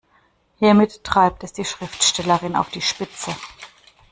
Hiermit treibt es die Schriftstellerin auf die Spitze.